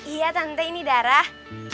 iya tante ini darah